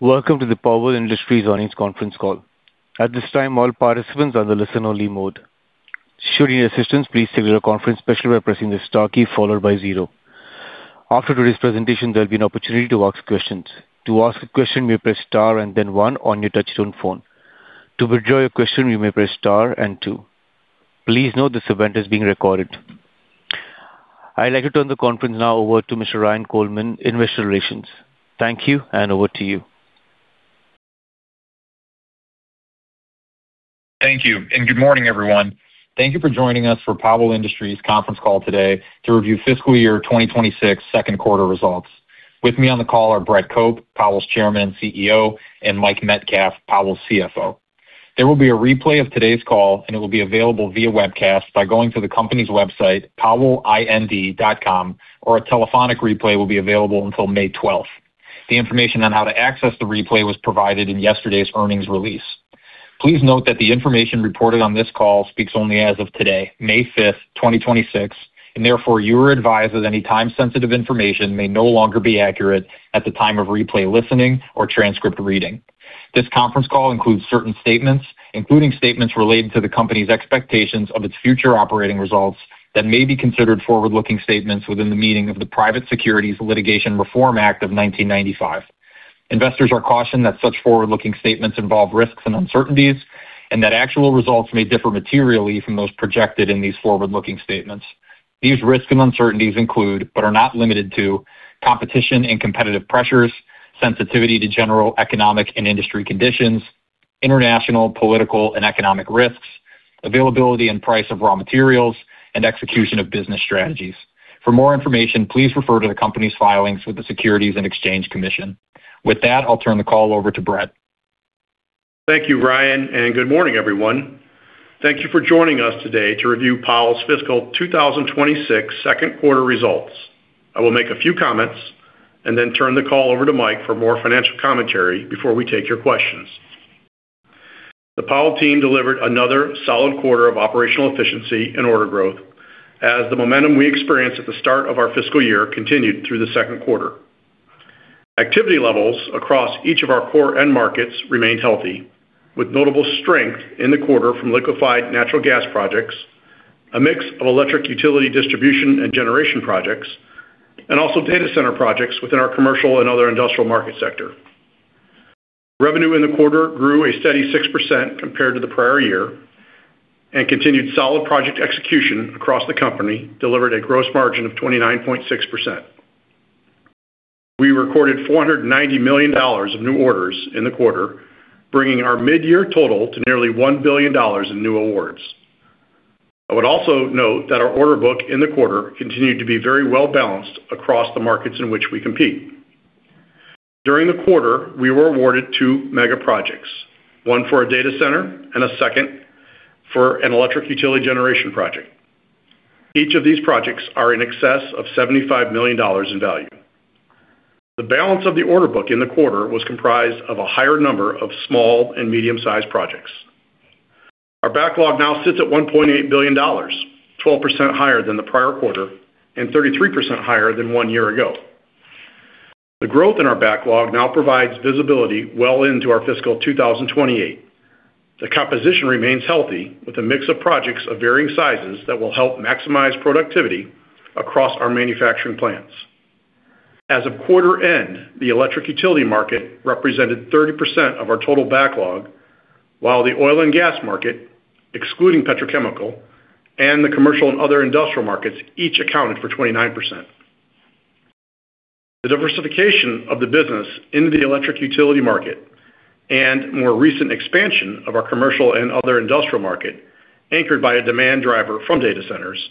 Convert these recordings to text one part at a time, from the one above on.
Welcome to the Powell Industries Earnings Conference Call. At this time all participants are in a listen only mode. Should you require assistance please signal the conference operator by pressing the star key followed by zero. After today's presentation, there'll be an opportunity to ask questions. To ask questions press star and then one on your touchtone phone. To withdraw your question, you may press star and two. Please note this event is being recorded. I'd like to turn the conference now over to Mr. Ryan Coleman, Investor Relations. Thank you, and over to you. Thank you. Good morning, everyone. Thank you for joining us for Powell Industries conference call today to review fiscal year 2026 second quarter results. With me on the call are Brett Cope, Powell's Chairman, CEO, and Mike Metcalf, Powell's CFO. There will be a replay of today's call, and it will be available via webcast by going to the company's website, powellind.com, or a telephonic replay will be available until May 12th. The information on how to access the replay was provided in yesterday's earnings release. Please note that the information reported on this call speaks only as of today, May 5th, 2026, and therefore you are advised that any time-sensitive information may no longer be accurate at the time of replay listening or transcript reading. This conference call includes certain statements, including statements related to the company's expectations of its future operating results that may be considered forward-looking statements within the meaning of the Private Securities Litigation Reform Act of 1995. Investors are cautioned that such forward-looking statements involve risks and uncertainties and that actual results may differ materially from those projected in these forward-looking statements. These risks and uncertainties include, but are not limited to competition and competitive pressures, sensitivity to general economic and industry conditions, international political and economic risks, availability and price of raw materials, and execution of business strategies. For more information, please refer to the company's filings with the Securities and Exchange Commission. With that, I'll turn the call over to Brett. Thank you, Ryan, and good morning, everyone. Thank you for joining us today to review Powell's fiscal 2026 second quarter results. I will make a few comments and then turn the call over to Mike for more financial commentary before we take your questions. The Powell team delivered another solid quarter of operational efficiency and order growth as the momentum we experienced at the start of our fiscal year continued through the second quarter. Activity levels across each of our core end markets remained healthy, with notable strength in the quarter from liquefied natural gas projects, a mix of electric utility distribution and generation projects, and also data center projects within our commercial and other industrial market sector. Revenue in the quarter grew a steady 6% compared to the prior year. Continued solid project execution across the company delivered a gross margin of 29.6%. We recorded $490 million of new orders in the quarter, bringing our mid-year total to nearly $1 billion in new awards. I would also note that our order book in the quarter continued to be very well-balanced across the markets in which we compete. During the quarter, we were awarded two mega projects, one for a data center and a second for an electric utility generation project. Each of these projects are in excess of $75 million in value. The balance of the order book in the quarter was comprised of a higher number of small and medium-sized projects. Our backlog now sits at $1.8 billion, 12% higher than the prior quarter and 33% higher than one year ago. The growth in our backlog now provides visibility well into our fiscal 2028. The composition remains healthy with a mix of projects of varying sizes that will help maximize productivity across our manufacturing plants. As of quarter end, the electric utility market represented 30% of our total backlog, while the oil and gas market, excluding petrochemical and the commercial and other industrial markets, each accounted for 29%. The diversification of the business into the electric utility market and more recent expansion of our commercial and other industrial market, anchored by a demand driver from data centers,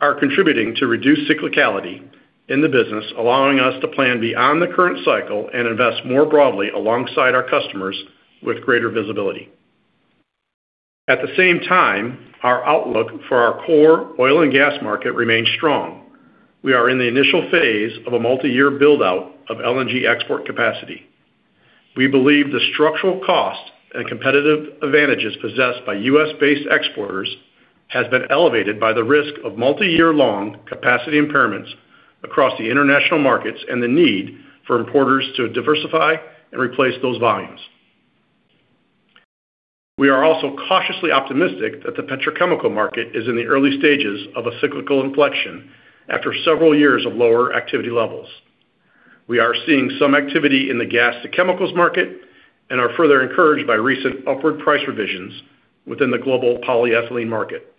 are contributing to reduced cyclicality in the business, allowing us to plan beyond the current cycle and invest more broadly alongside our customers with greater visibility. At the same time, our outlook for our core oil and gas market remains strong. We are in the initial phase of a multi-year build-out of LNG export capacity. We believe the structural cost and competitive advantages possessed by U.S.-based exporters has been elevated by the risk of multi-year-long capacity impairments across the international markets and the need for importers to diversify and replace those volumes. We are also cautiously optimistic that the petrochemical market is in the early stages of a cyclical inflection after several years of lower activity levels. We are seeing some activity in the gas to chemicals market and are further encouraged by recent upward price revisions within the global polyethylene market.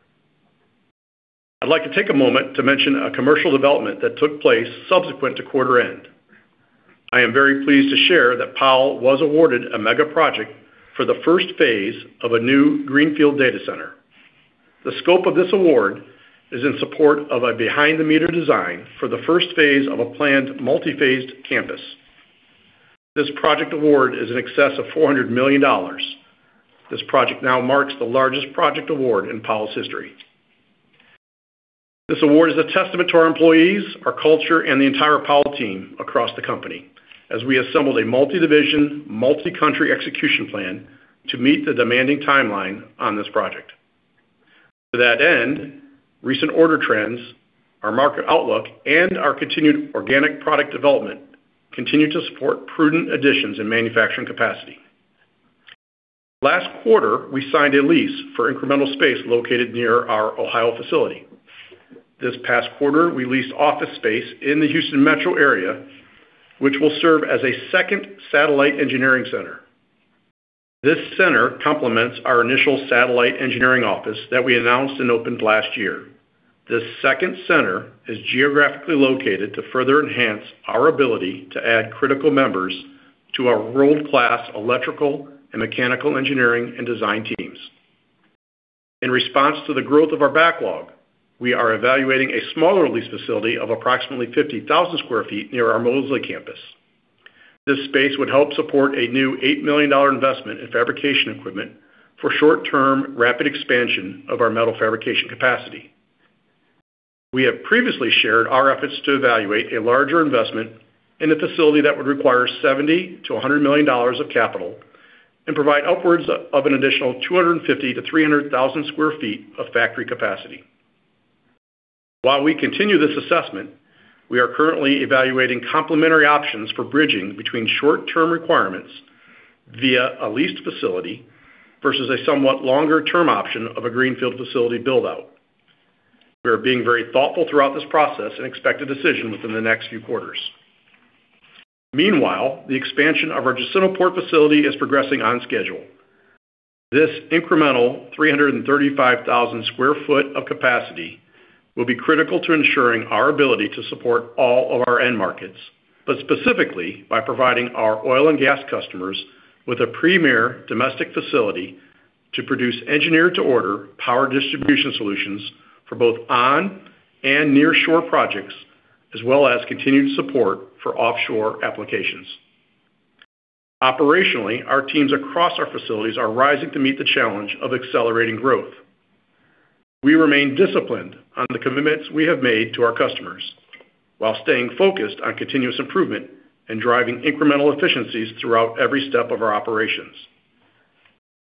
I'd like to take a moment to mention a commercial development that took place subsequent to quarter end. I am very pleased to share that Powell was awarded a mega project for the first phase of a new greenfield data center. The scope of this award is in support of a behind-the-meter design for the first phase of a planned multi-phased campus. This project award is in excess of $400 million. This project now marks the largest project award in Powell's history. This award is a testament to our employees, our culture, and the entire Powell team across the company as we assembled a multi-division, multi-country execution plan to meet the demanding timeline on this project. To that end, recent order trends, our market outlook, and our continued organic product development continue to support prudent additions in manufacturing capacity. Last quarter, we signed a lease for incremental space located near our Ohio facility. This past quarter, we leased office space in the Houston Metro area, which will serve as a second satellite engineering center. This center complements our initial satellite engineering office that we announced and opened last year. This second center is geographically located to further enhance our ability to add critical members to our world-class electrical and mechanical engineering and design teams. In response to the growth of our backlog, we are evaluating a smaller lease facility of approximately 50,000 sq ft near our Moseley campus. This space would help support a new $8 million investment in fabrication equipment for short-term rapid expansion of our metal fabrication capacity. We have previously shared our efforts to evaluate a larger investment in a facility that would require $70 million-$100 million of capital and provide upwards of an additional 250,000-300,000 sq ft of factory capacity. While we continue this assessment, we are currently evaluating complementary options for bridging between short-term requirements via a leased facility versus a somewhat longer-term option of a greenfield facility build-out. We are being very thoughtful throughout this process and expect a decision within the next few quarters. The expansion of our Jacintoport facility is progressing on schedule. This incremental 335,000 sq ft of capacity will be critical to ensuring our ability to support all of our end markets, but specifically by providing our oil and gas customers with a premier domestic facility to produce Engineer-to-Order power distribution solutions for both on and nearshore projects, as well as continued support for offshore applications. Operationally, our teams across our facilities are rising to meet the challenge of accelerating growth. We remain disciplined on the commitments we have made to our customers while staying focused on continuous improvement and driving incremental efficiencies throughout every step of our operations.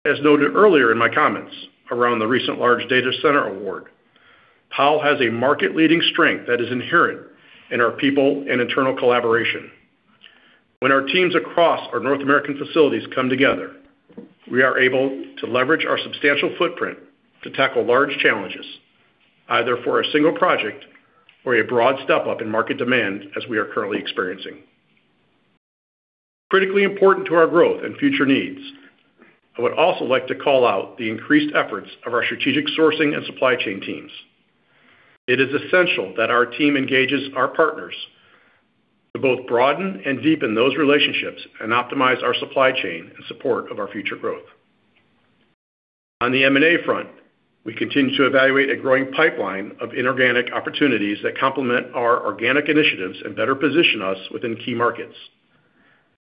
As noted earlier in my comments around the recent large data center award, Powell has a market-leading strength that is inherent in our people and internal collaboration. When our teams across our North American facilities come together, we are able to leverage our substantial footprint to tackle large challenges, either for a single project or a broad step-up in market demand as we are currently experiencing. Critically important to our growth and future needs, I would also like to call out the increased efforts of our strategic sourcing and supply chain teams. It is essential that our team engages our partners to both broaden and deepen those relationships and optimize our supply chain in support of our future growth. On the M&A front, we continue to evaluate a growing pipeline of inorganic opportunities that complement our organic initiatives and better position us within key markets.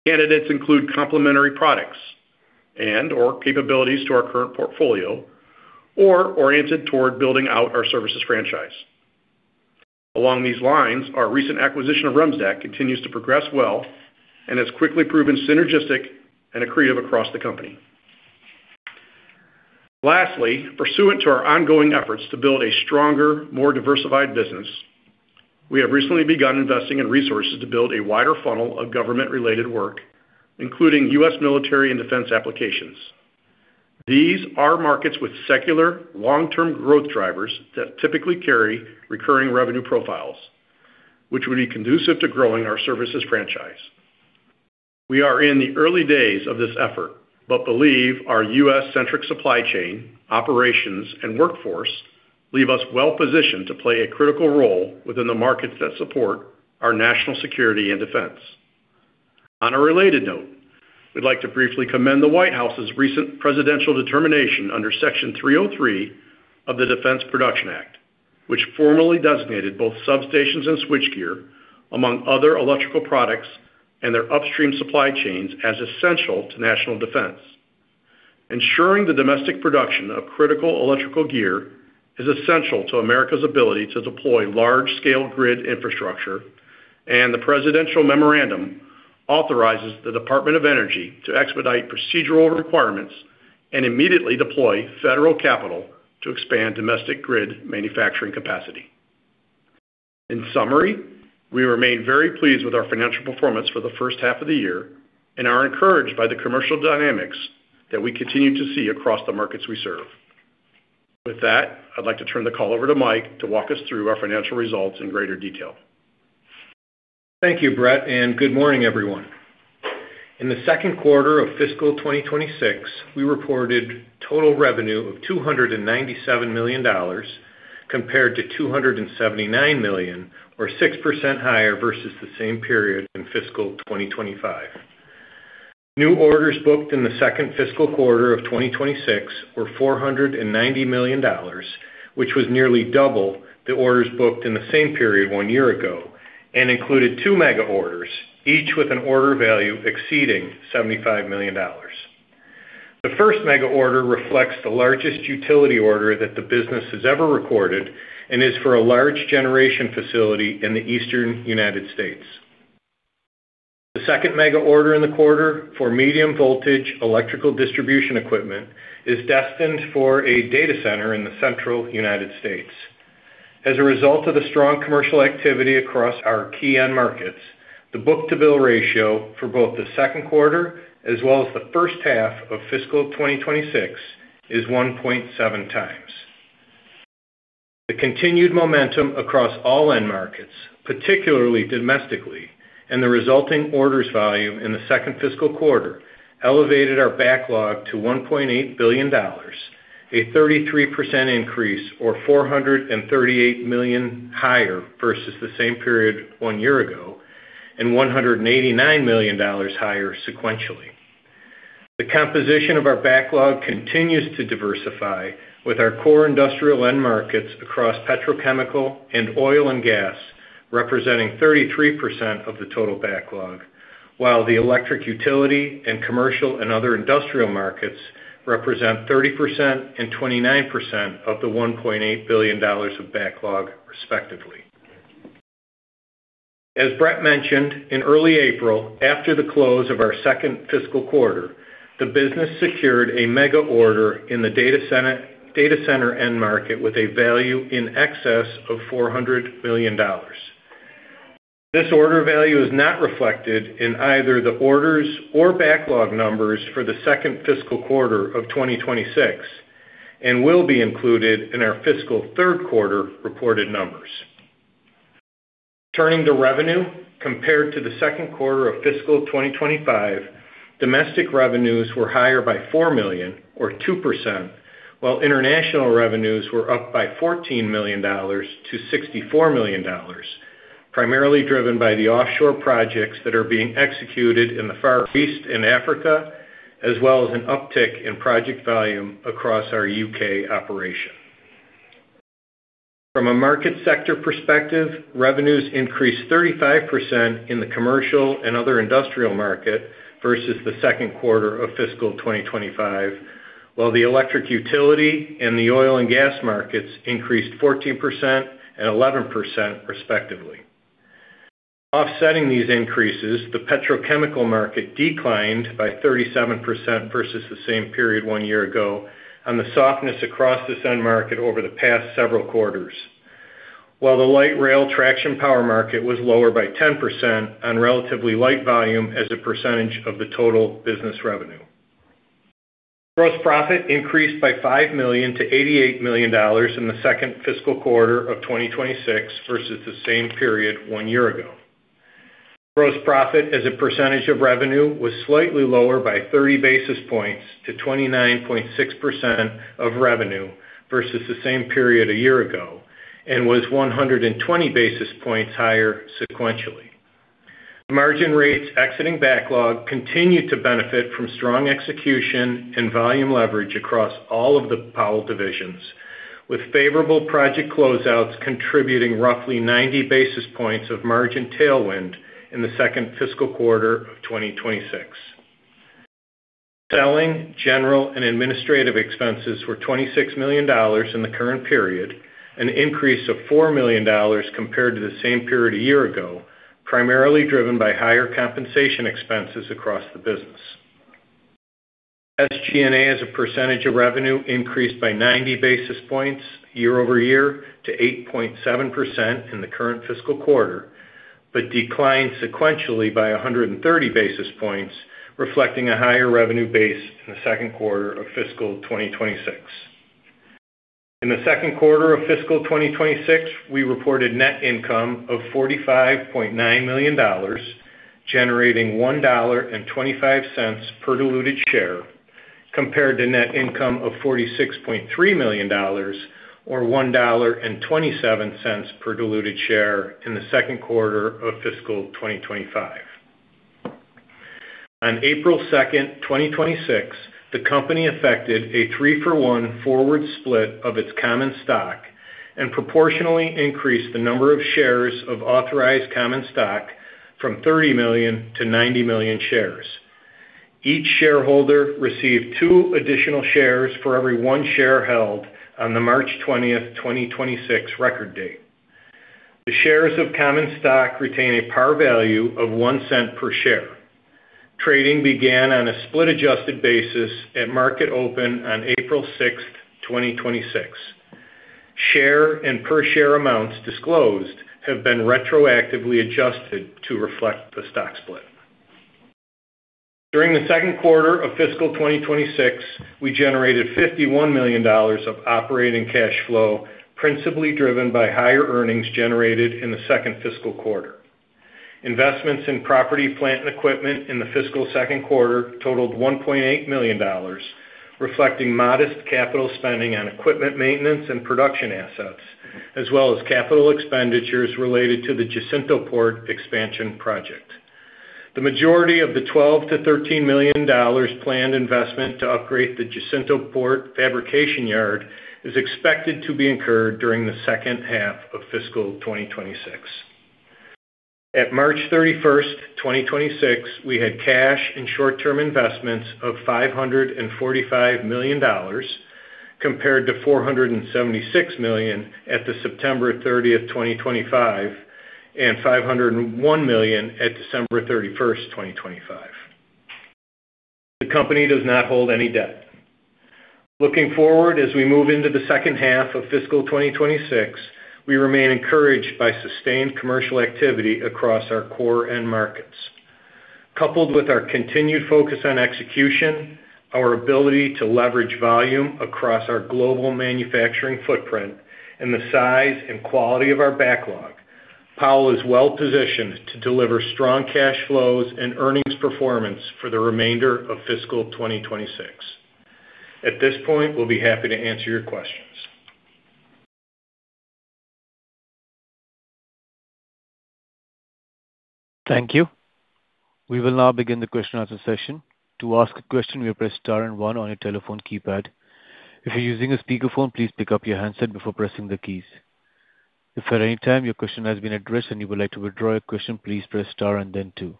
Candidates include complementary products and/or capabilities to our current portfolio or oriented toward building out our services franchise. Along these lines, our recent acquisition of Remsdaq continues to progress well and has quickly proven synergistic and accretive across the company. Lastly, pursuant to our ongoing efforts to build a stronger, more diversified business, we have recently begun investing in resources to build a wider funnel of government-related work, including U.S. military and defense applications. These are markets with secular long-term growth drivers that typically carry recurring revenue profiles, which would be conducive to growing our services franchise. We are in the early days of this effort, but believe our U.S.-centric supply chain, operations, and workforce leave us well positioned to play a critical role within the markets that support our national security and defense. On a related note, we'd like to briefly commend the White House's recent presidential determination under Section 303 of the Defense Production Act, which formally designated both substations and switchgear among other electrical products and their upstream supply chains as essential to national defense. Ensuring the domestic production of critical electrical gear is essential to America's ability to deploy large-scale grid infrastructure. The presidential memorandum authorizes the Department of Energy to expedite procedural requirements and immediately deploy federal capital to expand domestic grid manufacturing capacity. In summary, we remain very pleased with our financial performance for the first half of the year and are encouraged by the commercial dynamics that we continue to see across the markets we serve. With that, I'd like to turn the call over to Mike to walk us through our financial results in greater detail. Thank you, Brett, and good morning, everyone. In the second quarter of fiscal 2026, we reported total revenue of $297 million, compared to $279 million, or 6% higher versus the same period in fiscal 2025. New orders booked in the second fiscal quarter of 2026 were $490 million, which was nearly double the orders booked in the same period one year ago and included two mega orders, each with an order value exceeding $75 million. The first mega order reflects the largest utility order that the business has ever recorded and is for a large generation facility in the Eastern U.S. The second mega order in the quarter for medium voltage electrical distribution equipment is destined for a data center in the central U.S. As a result of the strong commercial activity across our key end markets, the book-to-bill ratio for both the second quarter as well as the first half of fiscal 2026 is 1.7x. The continued momentum across all end markets, particularly domestically, and the resulting orders volume in the second fiscal quarter elevated our backlog to $1.8 billion, a 33% increase or $438 million higher versus the same period one year ago, and $189 million higher sequentially. The composition of our backlog continues to diversify with our core industrial end markets across petrochemical and oil and gas, representing 33% of the total backlog, while the electric utility and commercial and other industrial markets represent 30% and 29% of the $1.8 billion of backlog, respectively. As Brett mentioned, in early April, after the close of our second fiscal quarter, the business secured a mega order in the data center end market with a value in excess of $400 million. This order value is not reflected in either the orders or backlog numbers for the second fiscal quarter of 2026, and will be included in our fiscal third quarter reported numbers. Turning to revenue, compared to the second quarter of fiscal 2025, domestic revenues were higher by $4 million or 2%, while international revenues were up by $14 million-$64 million, primarily driven by the offshore projects that are being executed in the Far East and Africa, as well as an uptick in project volume across our U.K. operation. From a market sector perspective, revenues increased 35% in the commercial and other industrial market versus the second quarter of fiscal 2025, while the electric utility and the oil and gas markets increased 14% and 11%, respectively. Offsetting these increases, the petrochemical market declined by 37% versus the same period one year ago on the softness across this end market over the past several quarters, while the light rail traction power market was lower by 10% on relatively light volume as a percentage of the total business revenue. Gross profit increased by $5 million-$88 million in the second fiscal quarter of 2026 versus the same period one year ago. Gross profit as a percentage of revenue was slightly lower by 30 basis points to 29.6% of revenue versus the same period a year ago and was 120 basis points higher sequentially. Margin rates exiting backlog continued to benefit from strong execution and volume leverage across all of the power divisions, with favorable project closeouts contributing roughly 90 basis points of margin tailwind in the second fiscal quarter of 2026. Selling, general, and administrative expenses were $26 million in the current period, an increase of $4 million compared to the same period a year ago, primarily driven by higher compensation expenses across the business. SG&A, as a percentage of revenue, increased by 90 basis points year-over-year to 8.7% in the current fiscal quarter, but declined sequentially by 130 basis points, reflecting a higher revenue base in the second quarter of fiscal 2026. In the second quarter of fiscal 2026, we reported net income of $45.9 million, generating $1.25 per diluted share, compared to net income of $46.3 million or $1.27 per diluted share in the second quarter of fiscal 2025. On April 2nd, 2026, the company affected a three-for-one forward split of its common stock and proportionally increased the number of shares of authorized common stock from 30 million to 90 million shares. Each shareholder received two additional shares for every one share held on the March 20th, 2026 record date. The shares of common stock retain a par value of $0.01 per share. Trading began on a split-adjusted basis at market open on April 6th, 2026. Share and per share amounts disclosed have been retroactively adjusted to reflect the stock split. During the second quarter of fiscal 2026, we generated $51 million of operating cash flow, principally driven by higher earnings generated in the second fiscal quarter. Investments in property, plant, and equipment in the fiscal second quarter totaled $1.8 million, reflecting modest capital spending on equipment maintenance and production assets, as well as capital expenditures related to the Jacintoport expansion project. The majority of the $12 million-$13 million planned investment to upgrade the Jacintoport fabrication yard is expected to be incurred during the second half of fiscal 2026. At March 31st, 2026, we had cash and short-term investments of $545 million. Compared to $476 million at September 30th, 2025, and $501 million at December 31st, 2025. The company does not hold any debt. Looking forward, as we move into the second half of fiscal 2026, we remain encouraged by sustained commercial activity across our core end markets. Coupled with our continued focus on execution, our ability to leverage volume across our global manufacturing footprint and the size and quality of our backlog, Powell is well-positioned to deliver strong cash flows and earnings performance for the remainder of fiscal 2026. At this point, we'll be happy to answer your questions. Thank you. We will now begin the question-and-answer session. To ask a question, you may press star and one on your telephone keypad. If you're using a speakerphone, please pick up your handset before pressing the keys. If at any time your question has been addressed and you would like to withdraw your question, please press star and then two.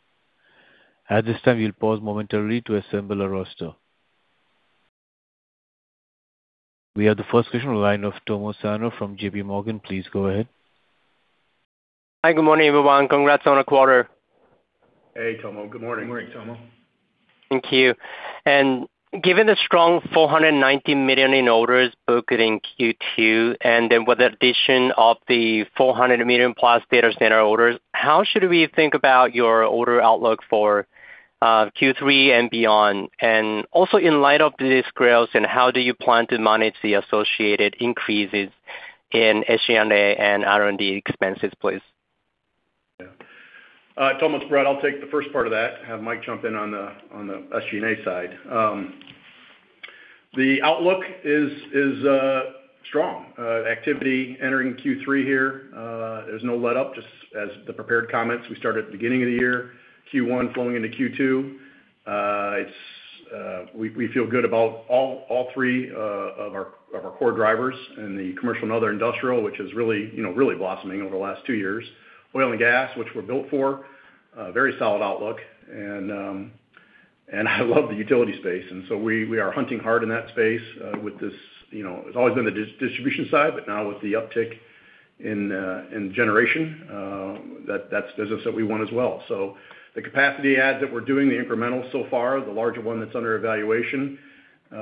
At this time, we'll pause momentarily to assemble a roster. We have the first question in line of Tomo Sano from JPMorgan. Please go ahead. Hi. Good morning, everyone. Congrats on the quarter. Hey, Tomo. Good morning. Good morning, Tomo. Thank you. Given the strong $490 million in orders booked in Q2, with the addition of the $400 million+ data center orders, how should we think about your order outlook for Q3 and beyond? Also in light of this growth and how do you plan to manage the associated increases in SG&A and R&D expenses, please? Yeah. Tomo, it's Brett. I'll take the first part of that, have Mike jump in on the SG&A side. The outlook is strong. Activity entering Q3 here, there's no letup, just as the prepared comments we started at the beginning of the year, Q1 flowing into Q2. We feel good about all three of our core drivers in the commercial and other industrial, which is really, you know, really blossoming over the last two years. Oil and gas, which we're built for, very solid outlook and I love the utility space. We are hunting hard in that space, with this, you know, it's always been the distribution side, but now with the uptick in generation, that's business that we want as well. The capacity add that we're doing, the incremental so far, the larger one that's under evaluation, you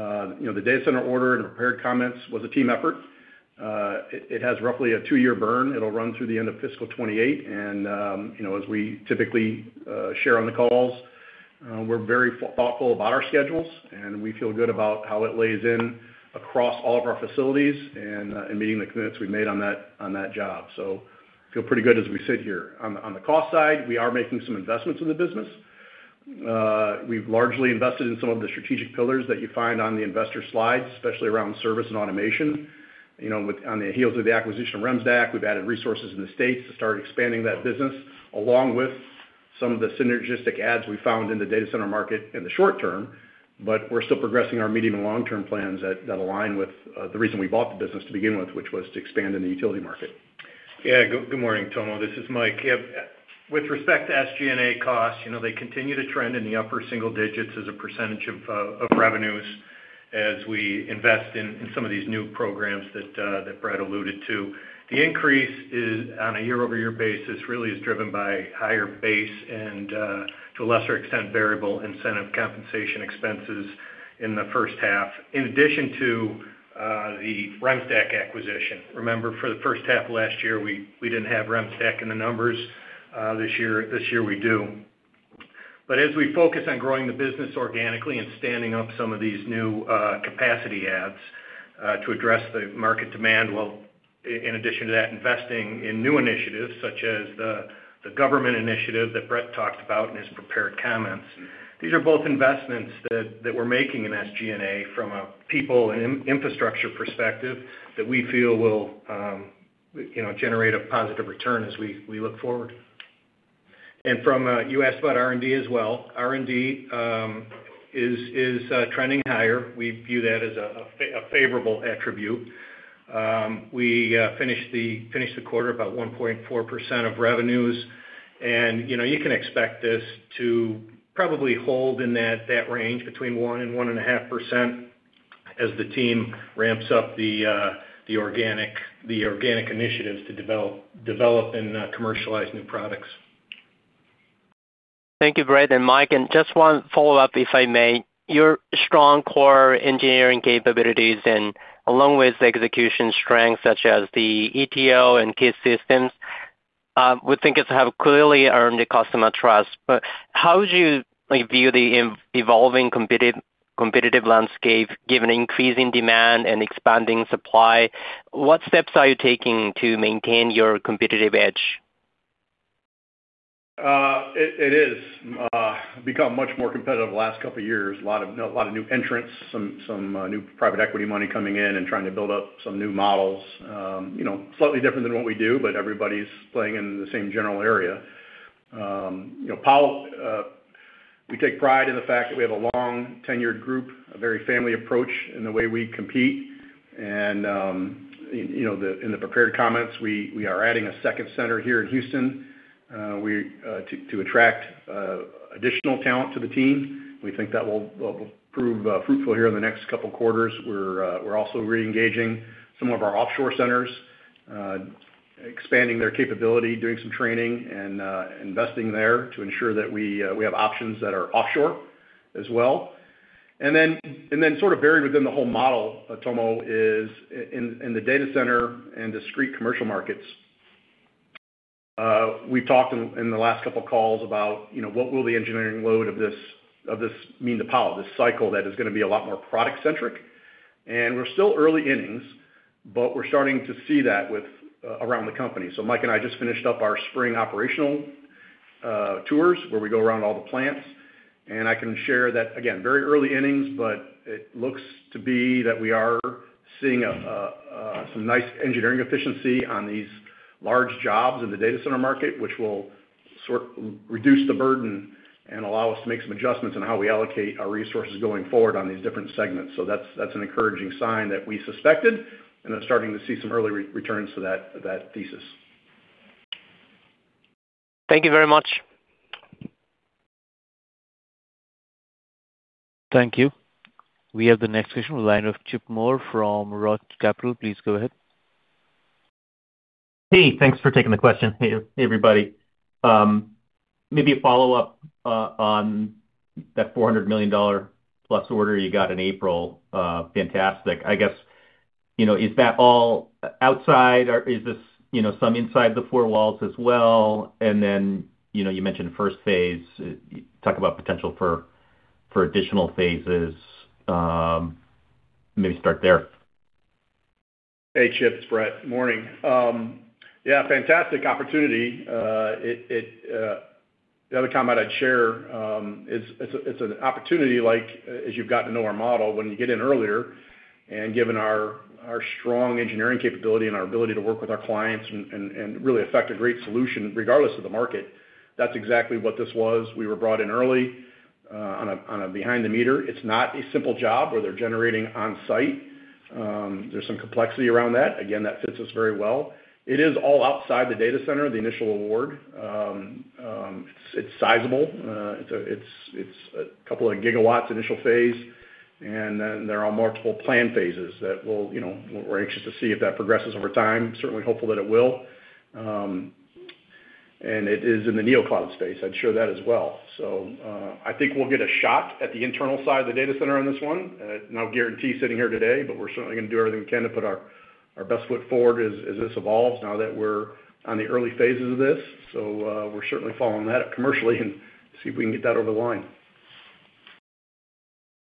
know, the data center order and prepared comments was a team effort. It has roughly a two year burn. It'll run through the end of fiscal 2028. You know, as we typically share on the calls, we're very thoughtful about our schedules, and we feel good about how it lays in across all of our facilities and in meeting the commitments we made on that, on that job. Feel pretty good as we sit here. On the cost side, we are making some investments in the business. We've largely invested in some of the strategic pillars that you find on the investor slides, especially around service and automation. You know, on the heels of the acquisition of Remsdaq, we've added resources in the States to start expanding that business, along with some of the synergistic adds we found in the data center market in the short term. We're still progressing our medium and long-term plans that align with the reason we bought the business to begin with, which was to expand in the utility market. Good morning, Tomo. This is Mike. With respect to SG&A costs, you know, they continue to trend in the upper single digits as a percentage of revenues as we invest in some of these new programs that Brett alluded to. The increase is on a year-over-year basis really is driven by higher base and to a lesser extent, variable incentive compensation expenses in the first half, in addition to the Remsdaq acquisition. Remember, for the first half of last year, we didn't have Remsdaq in the numbers. This year we do. As we focus on growing the business organically and standing up some of these new capacity ads to address the market demand, well, in addition to that, investing in new initiatives such as the government initiative that Brett talked about in his prepared comments. These are both investments that we're making in SG&A from a people and in-infrastructure perspective that we feel will, you know, generate a positive return as we look forward. From, you asked about R&D as well. R&D is trending higher. We view that as a favorable attribute. We finished the quarter about 1.4% of revenues. You know, you can expect this to probably hold in that range between 1% and 1.5% as the team ramps up the organic initiatives to develop and commercialize new products. Thank you, Brett and Mike. Just one follow-up, if I may. Your strong core engineering capabilities and along with execution strength such as the ETO and KACE systems, we think it have clearly earned the customer trust. How would you, like, view the evolving competitive landscape given increasing demand and expanding supply? What steps are you taking to maintain your competitive edge? It is become much more competitive the last couple of years. A lot of, you know, a lot of new entrants, some new private equity money coming in and trying to build up some new models. You know, slightly different than what we do, but everybody's playing in the same general area. You know, Powell, we take pride in the fact that we have a long tenured group, a very family approach in the way we compete. In the prepared comments, we are adding a second center here in Houston to attract additional talent to the team. We think that will prove fruitful here in the next couple quarters. We're also re-engaging some of our offshore centers, expanding their capability, doing some training and investing there to ensure that we have options that are offshore as well. Sort of buried within the whole Powell model, Tomo, is in the data center and discrete commercial markets, we've talked in the last couple calls about, you know, what will the engineering load of this mean to Powell, this cycle that is gonna be a lot more product-centric. We're still early innings, but we're starting to see that with around the company. Mike and I just finished up our spring operational tours, where we go around all the plants. I can share that, again, very early innings, but it looks to be that we are seeing a nice engineering efficiency on these large jobs in the data center market, which will reduce the burden and allow us to make some adjustments on how we allocate our resources going forward on these different segments. That's an encouraging sign that we suspected, and are starting to see some early re-returns to that thesis. Thank you very much. Thank you. We have the next question on the line with Chip Moore from Roth Capital. Please go ahead. Hey, thanks for taking the question. Hey, everybody. Maybe a follow-up on that $400 million+ order you got in April. Fantastic. I guess, you know, is that all outside or is this, you know, some inside the four walls as well? You know, you mentioned first phase. You talk about potential for additional phases. Maybe start there. Hey, Chip. It's Brett. Morning. Yeah, fantastic opportunity. The other comment I'd share is it's an opportunity like as you've gotten to know our model, when you get in earlier and given our strong engineering capability and our ability to work with our clients and really effect a great solution regardless of the market. That's exactly what this was. We were brought in early on a behind-the-meter. It's not a simple job where they're generating on-site. There's some complexity around that. Again, that fits us very well. It is all outside the data center, the initial award. It's sizable. It's a couple of gigawatts initial phase. There are multiple plan phases that we'll, you know, we're anxious to see if that progresses over time. Certainly hopeful that it will. It is in the neo-cloud space. I'd share that as well. I think we'll get a shot at the internal side of the data center on this one. No guarantee sitting here today, but we're certainly going to do everything we can to put our best foot forward as this evolves now that we're on the early phases of this. We're certainly following that up commercially and see if we can get that over the line.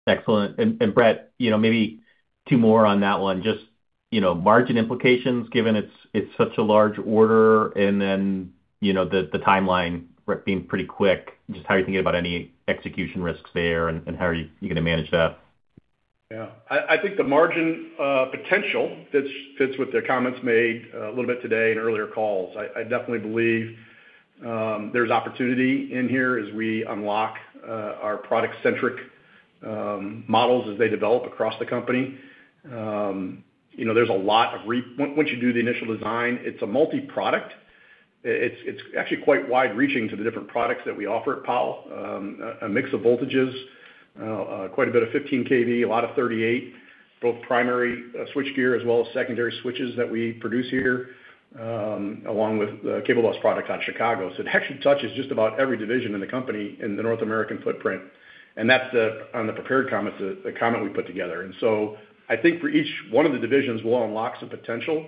Excellent. Brett, you know, maybe two more on that one. Just, you know, margin implications given it's such a large order and then, you know, the timeline being pretty quick. Just how are you thinking about any execution risks there and how are you gonna manage that? Yeah. I think the margin potential fits with the comments made a little bit today in earlier calls. I definitely believe there's opportunity in here as we unlock our product-centric models as they develop across the company. You know, there's a lot of Once you do the initial design, it's a multi-product. It's actually quite wide reaching to the different products that we offer at Powell. A mix of voltages, quite a bit of 15 kV, a lot of 38, both primary switchgear as well as secondary switches that we produce here, along with the cable loss product out of Chicago. It actually touches just about every division in the company in the North American footprint. That's the, on the prepared comments, the comment we put together. I think for each one of the divisions will unlock some potential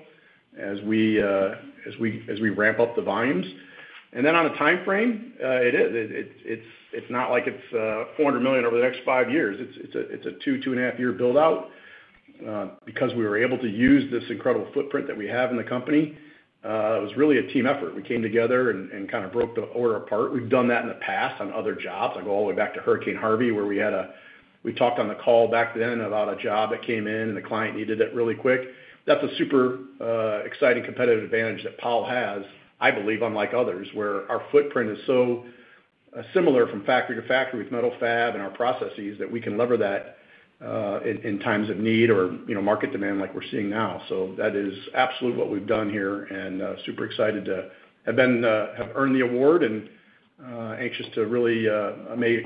as we ramp up the volumes. On the timeframe, it is. It's not like it's $400 million over the next five years. It's a two and a half year build out because we were able to use this incredible footprint that we have in the company. It was really a team effort. We came together and kind of broke the order apart. We've done that in the past on other jobs, like all the way back to Hurricane Harvey, where we talked on the call back then about a job that came in and the client needed it really quick. That's a super exciting competitive advantage that Powell has, I believe, unlike others, where our footprint is so similar from factory to factory with metal fab and our processes that we can lever that in times of need or, you know, market demand like we're seeing now. That is absolutely what we've done here, and super excited to have earned the award and anxious to really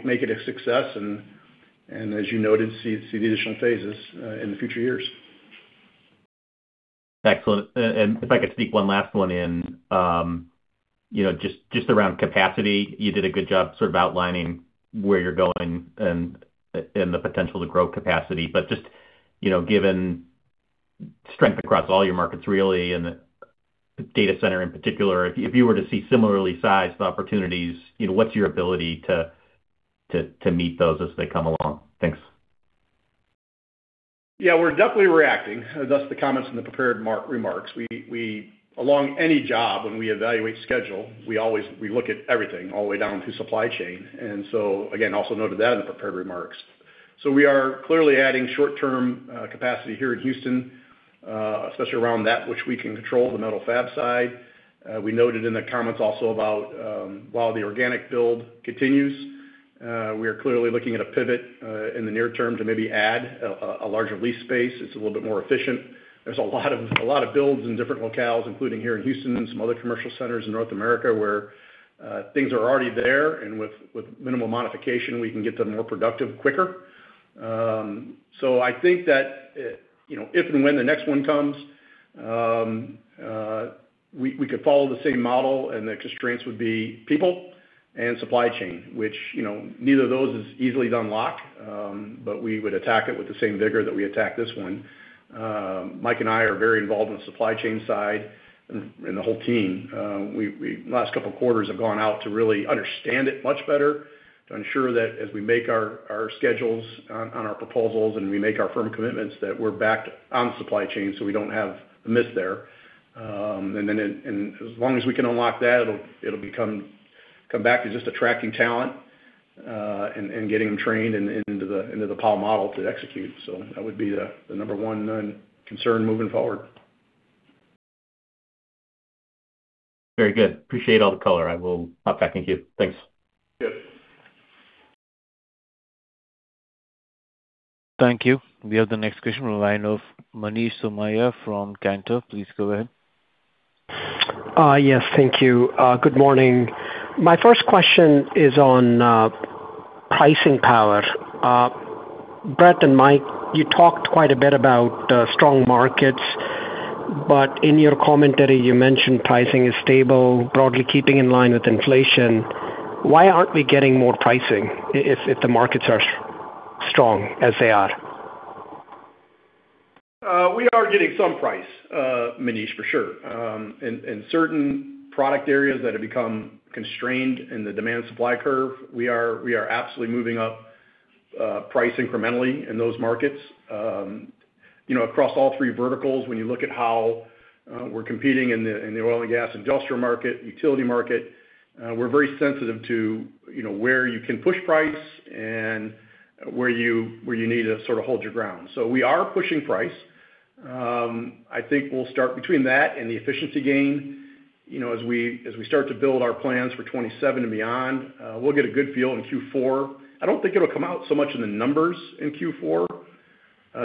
make it a success and, as you noted, see the additional phases in the future years. Excellent. If I could sneak one last one in, you know, just around capacity. You did a good job sort of outlining where you're going and the potential to grow capacity. Just, you know, given strength across all your markets really, and the data center in particular, if you were to see similarly sized opportunities, you know, what's your ability to meet those as they come along? Thanks. Yeah, we're definitely reacting, thus the comments in the prepared remarks. We, along any job when we evaluate schedule, we always look at everything all the way down to supply chain. Again, also noted that in prepared remarks. We are clearly adding short-term capacity here in Houston, especially around that which we can control the metal fab side. We noted in the comments also while the organic build continues, we are clearly looking at a pivot in the near term to maybe add a larger lease space. It's a little bit more efficient. There's a lot of builds in different locales, including here in Houston and some other commercial centers in North America where things are already there, and with minimal modification, we can get them more productive quicker. I think that, you know, if and when the next one comes, we could follow the same model and the constraints would be people and supply chain. Which, you know, neither of those is easily unlocked, we would attack it with the same vigor that we attacked this one. Mike and I are very involved in the supply chain side and the whole team. Last couple of quarters have gone out to really understand it much better, to ensure that as we make our schedules on our proposals and we make our firm commitments, that we're backed on supply chain we don't have a miss there. As long as we can unlock that, it'll come back to just attracting talent and getting them trained and into the Powell model to execute. That would be the number one concern moving forward. Very good. Appreciate all the color. I will hop back in queue. Thanks. Yep. Thank you. We have the next question from the line of Manish Somaiya from Cantor. Please go ahead. Yes, thank you. Good morning. My first question is on pricing power. Brett and Mike, you talked quite a bit about strong markets, but in your commentary you mentioned pricing is stable, broadly keeping in line with inflation. Why aren't we getting more pricing if the markets are strong as they are? We are getting some price, Manish, for sure. In certain product areas that have become constrained in the demand supply curve, we are absolutely moving up price incrementally in those markets. Across all three verticals, when you look at how we're competing in the oil and gas industrial market, utility market, we're very sensitive to where you need to sort of hold your ground. We are pushing price. I think we'll start between that and the efficiency gain. As we start to build our plans for 2027 and beyond, we'll get a good feel in Q4. I don't think it'll come out so much in the numbers in Q4,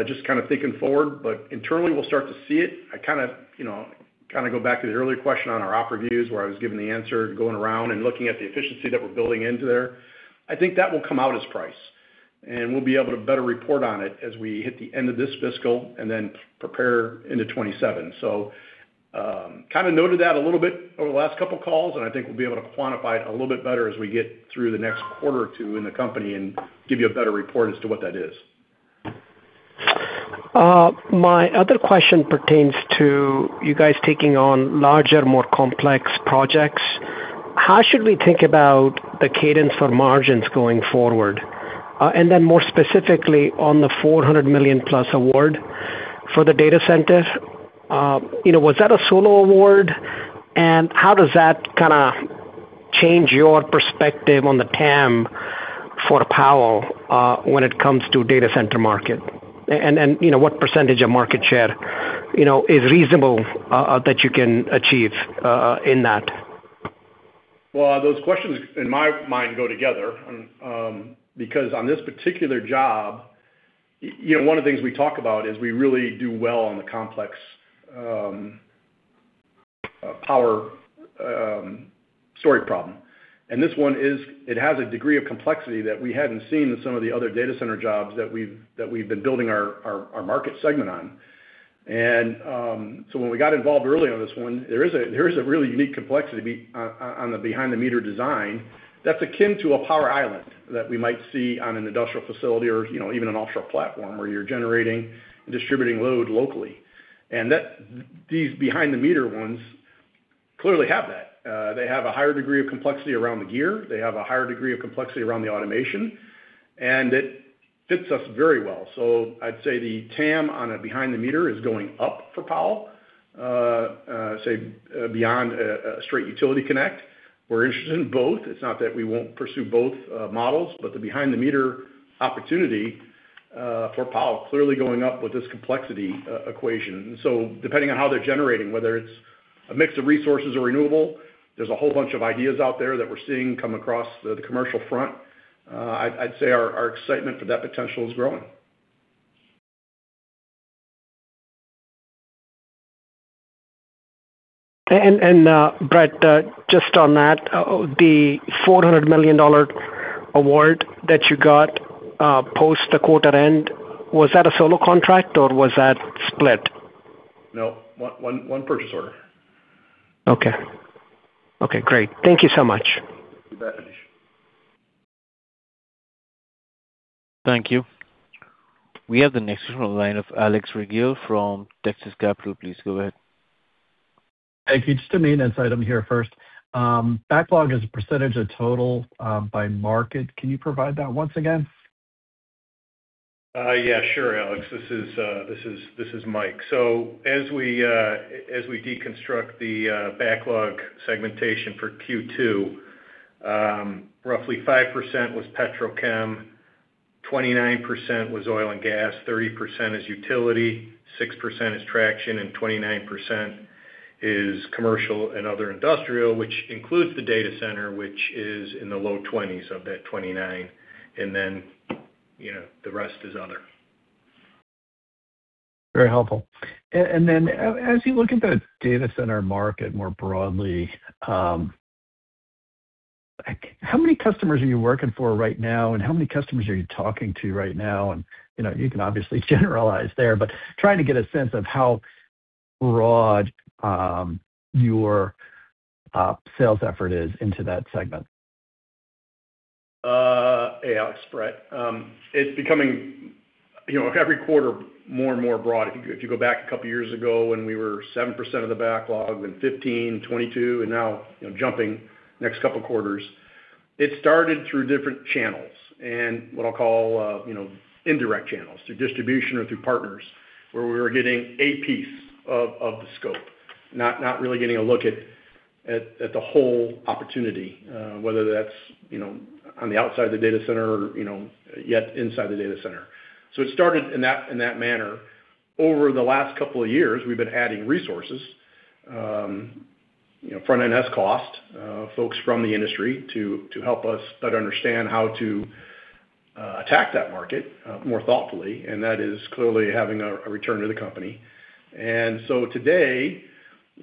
just kind of thinking forward, but internally we'll start to see it. I kind of, you know, kind of go back to the earlier question on our op reviews, where I was giving the answer, going around and looking at the efficiency that we're building into there. I think that will come out as price, and we'll be able to better report on it as we hit the end of this fiscal and then prepare into 2027. Kind of noted that a little bit over the last couple of calls, and I think we'll be able to quantify it a little bit better as we get through the next quarter or two in the company and give you a better report as to what that is. My other question pertains to you guys taking on larger, more complex projects. How should we think about the cadence for margins going forward? Then more specifically on the $400 million+ award for the data center. You know, was that a solo award? How does that kinda change your perspective on the TAM for Powell, when it comes to data center market? You know, what % of market share, you know, is reasonable, that you can achieve, in that? Well, those questions in my mind go together, because on this particular job, you know, one of the things we talk about is we really do well on the complex power storage problem. This one has a degree of complexity that we hadn't seen in some of the other data center jobs that we've been building our market segment on. When we got involved early on this one, there is a really unique complexity on the behind-the-meter design that's akin to a power island that we might see on an industrial facility or, you know, even an offshore platform where you're generating and distributing load locally. These behind-the-meter ones clearly have that. They have a higher degree of complexity around the gear. They have a higher degree of complexity around the automation, it fits us very well. I'd say the TAM on a behind-the-meter is going up for Powell, beyond a straight utility connect. We're interested in both. It's not that we won't pursue both models, but the behind-the-meter opportunity for Powell, clearly going up with this complexity equation. Depending on how they're generating, whether it's a mix of resources or renewable, there's a whole bunch of ideas out there that we're seeing come across the commercial front. I'd say our excitement for that potential is growing. Brett, just on that, the $400 million award that you got, post the quarter end, was that a solo contract or was that split? No. One purchase order. Okay. Okay, great. Thank you so much. You bet, Manish. Thank you. We have the next from the line of Alex Rygiel from Texas Capital. Please go ahead. Thank you. Just a maintenance item here first. Backlog as a percentage of total, by market, can you provide that once again? Yeah, sure, Alex. This is Mike. As we deconstruct the backlog segmentation for Q2, roughly 5% was petrochem. 29% was oil and gas, 30% is utility, 6% is traction, and 29% is commercial and other industrial, which includes the data center, which is in the low-20s of that 29%. You know, the rest is other. Very helpful. Then as you look at the data center market more broadly, like how many customers are you working for right now, and how many customers are you talking to right now? You know, you can obviously generalize there, but trying to get a sense of how broad your sales effort is into that segment. Hey, Alex. Brett. It's becoming, you know, every quarter more and more broad. If you go back a couple of years ago when we were 7% of the backlog, 15%, 22%, and now, you know, jumping next couple quarters. It started through different channels and what I'll call, you know, indirect channels, through distribution or through partners, where we were getting a piece of the scope, not really getting a look at the whole opportunity, whether that's, you know, on the outside of the data center or, you know, yet inside the data center. Over the last couple of years, we've been adding resources, you know, front-end S cost folks from the industry to help us better understand how to attack that market more thoughtfully, that is clearly having a return to the company. Today,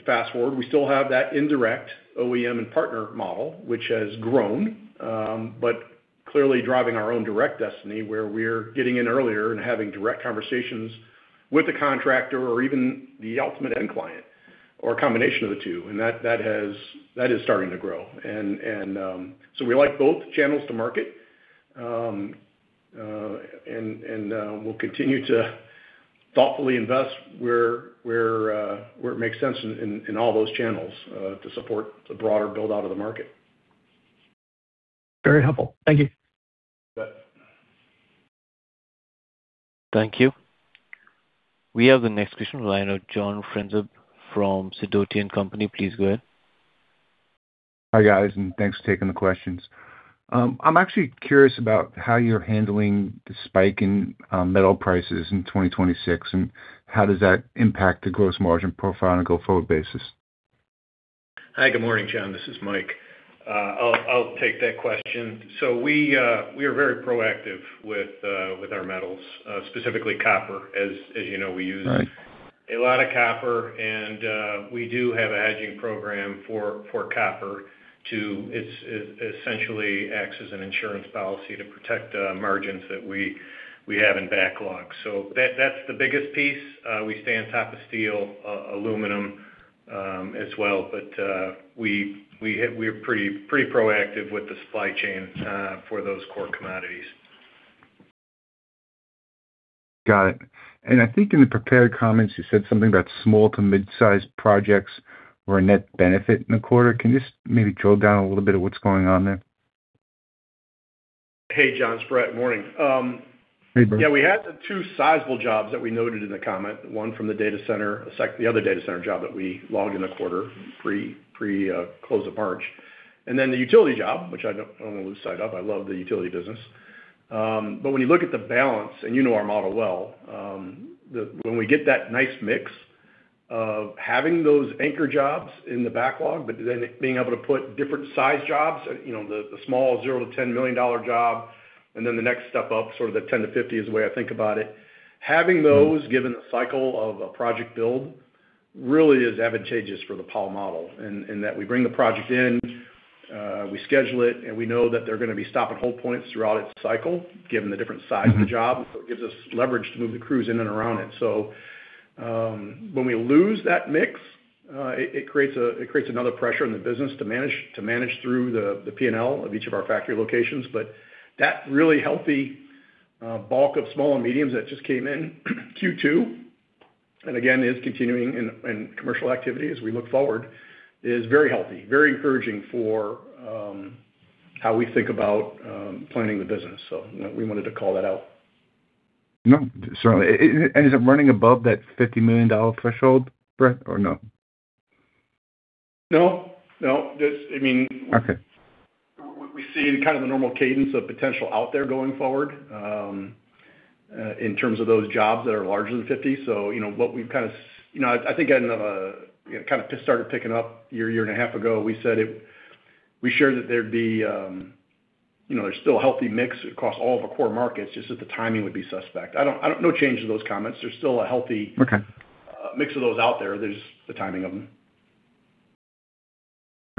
fast-forward, we still have that indirect OEM and partner model, which has grown, clearly driving our own direct destiny, where we're getting in earlier and having direct conversations with the contractor or even the ultimate end client or a combination of the two. That is starting to grow. We like both channels to market. We'll continue to thoughtfully invest where it makes sense in all those channels to support the broader build-out of the market. Very helpful. Thank you. You bet. Thank you. We have the next question in the line of John Franzreb from Sidoti & Company. Please go ahead. Hi, guys, and thanks for taking the questions. I'm actually curious about how you're handling the spike in metal prices in 2026, and how does that impact the gross margin profile on a go-forward basis? Hi, good morning, John. This is Mike. I'll take that question. We are very proactive with our metals, specifically copper. As you know, we use- Right. A lot of copper, and we do have a hedging program for copper. It essentially acts as an insurance policy to protect margins that we have in backlog. That's the biggest piece. We stay on top of steel, aluminum as well. We're pretty proactive with the supply chain for those core commodities. Got it. I think in the prepared comments, you said something about small to midsize projects were a net benefit in the quarter. Can you just maybe drill down a little bit of what's going on there? Hey, John. It's Brett. Morning. Hey, Brett. Yeah, we had the two sizable jobs that we noted in the comment, one from the data center, the other data center job that we logged in the quarter pre close of March. The utility job, which I don't wanna lose sight of, I love the utility business. When you look at the balance, and you know our model well, when we get that nice mix of having those anchor jobs in the backlog, but then being able to put different size jobs, you know, the small 0 to $10 million job, and then the next step up, sort of the $10 million-$50 million is the way I think about it. Having those given the cycle of a project build really is advantageous for the Powell model. In that we bring the project in, we schedule it, and we know that they're going to be stop and hold points throughout its cycle, given the different size of the job. It gives us leverage to move the crews in and around it. When we lose that mix, it creates another pressure in the business to manage through the P&L of each of our factory locations. That really healthy bulk of small and mediums that just came in Q2, and again, is continuing in commercial activity as we look forward, is very healthy, very encouraging for how we think about planning the business. You know, we wanted to call that out. No, certainly. Is it running above that $50 million threshold, Brett, or no? No, no. I mean. Okay We see kind of the normal cadence of potential out there going forward in terms of those jobs that are larger than $50 million. You know, what we've kind of started picking up year and a half ago. We said we shared that there'd be, you know, there's still a healthy mix across all of our core markets, just that the timing would be suspect. No change to those comments. Okay. Mix of those out there. There's the timing of them.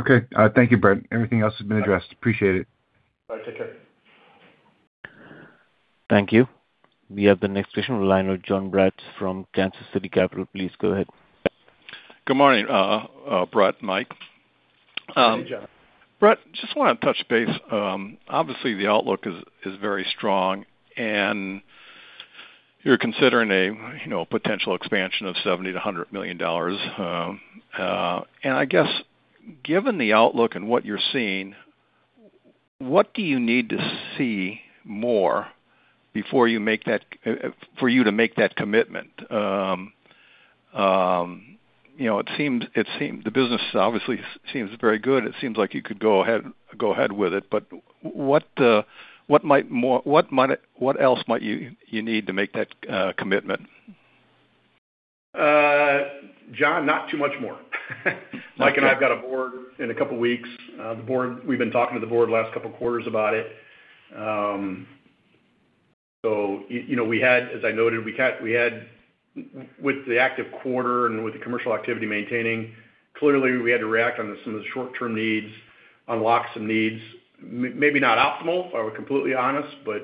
Okay. Thank you, Brett. Everything else has been addressed. Appreciate it. All right. Take care. Thank you. We have the next question in the line of Jon Braatz from Kansas City Capital. Please go ahead. Good morning, Brett and Mike. Hey, Jon. Brett, just wanna touch base. Obviously, the outlook is very strong, and you're considering a, you know, potential expansion of $70 million-$100 million. I guess, given the outlook and what you're seeing, what do you need to see more before you make that for you to make that commitment? You know, the business obviously seems very good. It seems like you could go ahead with it. What else might you need to make that commitment? Jon, not too much more. Mike and I've got a board in a couple of weeks. The board. We've been talking to the board last couple of quarters about it. You know, we had, as I noted, we had with the active quarter and with the commercial activity maintaining, clearly we had to react on some of the short-term needs, unlock some needs. Maybe not optimal, if I were completely honest, but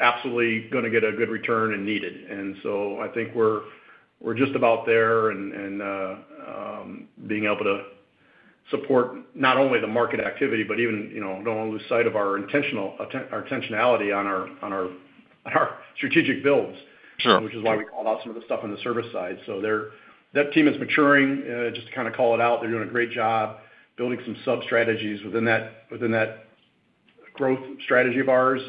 absolutely gonna get a good return and needed. I think we're just about there and, being able to support not only the market activity, but even, you know, don't wanna lose sight of our intentionality on our strategic builds. Sure. Which is why we called out some of the stuff on the service side. That team is maturing. Just to kinda call it out, they're doing a great job building some sub-strategies within that, within that growth strategy of ours.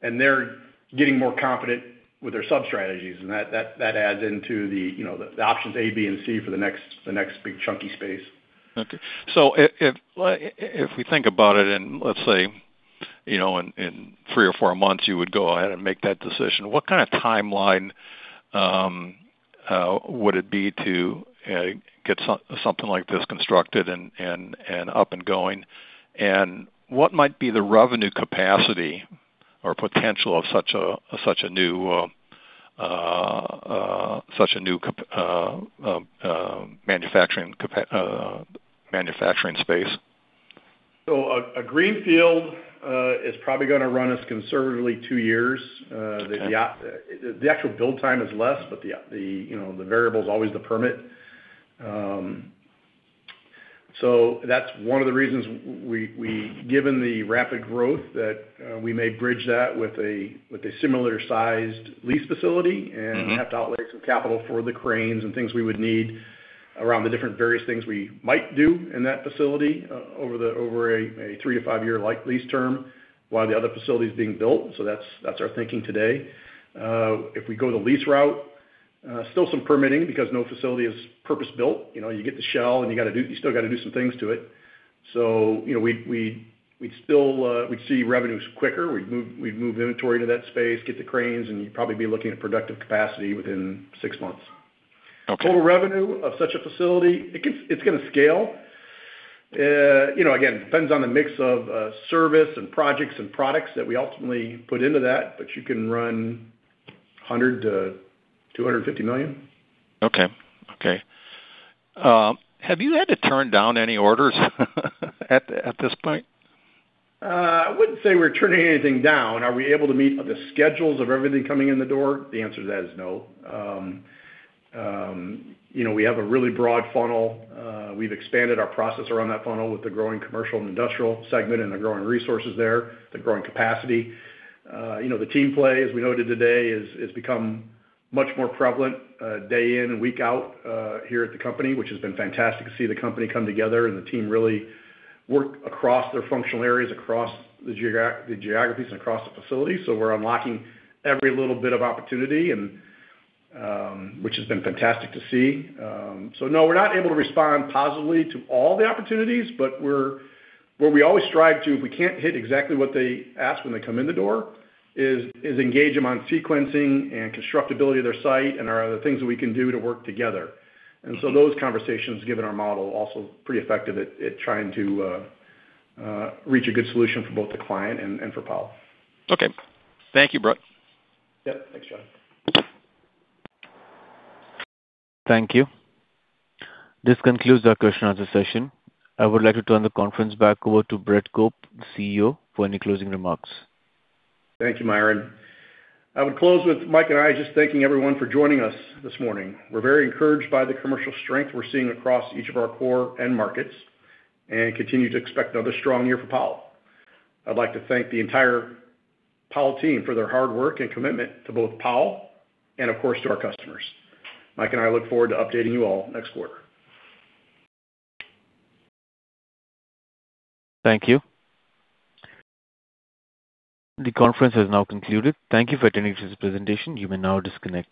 They're getting more confident with their sub-strategies, and that adds into the, you know, the options A, B, and C for the next big chunky space. Okay. If we think about it and let's say, you know, in three or four months, you would go ahead and make that decision. What kinda timeline would it be to get something like this constructed and up and going? What might be the revenue capacity or potential of such a new manufacturing space? A greenfield is probably gonna run us conservatively two years. Yeah. The actual build time is less, but the, you know, the variable is always the permit. That's one of the reasons we, given the rapid growth, that we may bridge that with a, with a similar sized lease facility. We have to outlay some capital for the cranes and things we would need around the different various things we might do in that facility over a three to five year lease term while the other facility is being built. That's our thinking today. If we go the lease route, still some permitting because no facility is purpose-built. You know, you get the shell and you still gotta do some things to it. You know, we'd still see revenues quicker. We'd move inventory to that space, get the cranes, and you'd probably be looking at productive capacity within six months. Okay. Total revenue of such a facility, it's gonna scale. you know, again, depends on the mix of service and projects and products that we ultimately put into that, but you can run $100 million-$250 million. Okay. Okay. Have you had to turn down any orders at this point? I wouldn't say we're turning anything down. Are we able to meet the schedules of everything coming in the door? The answer to that is no. You know, we have a really broad funnel. We've expanded our process around that funnel with the growing commercial and industrial segment and the growing resources there, the growing capacity. You know, the team play, as we noted today, has become much more prevalent day in and week out here at the company, which has been fantastic to see the company come together and the team really work across their functional areas, across the geographies, and across the facilities. We're unlocking every little bit of opportunity, which has been fantastic to see. No, we're not able to respond positively to all the opportunities, but what we always strive to, if we can't hit exactly what they ask when they come in the door, is engage them on sequencing and constructability of their site and are there things that we can do to work together. Those conversations, given our model, also pretty effective at trying to reach a good solution for both the client and for Powell. Okay. Thank you, Brett. Yep. Thanks, Jon. Thank you. This concludes our question answer session. I would like to turn the conference back over to Brett Cope, the CEO, for any closing remarks. Thank you, Myron. I would close with Mike and I just thanking everyone for joining us this morning. We're very encouraged by the commercial strength we're seeing across each of our core end markets and continue to expect another strong year for Powell. I'd like to thank the entire Powell team for their hard work and commitment to both Powell and of course to our customers. Mike and I look forward to updating you all next quarter. Thank you. The conference has now concluded. Thank you for attending today's presentation. You may now disconnect.